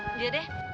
duh deh makasih ya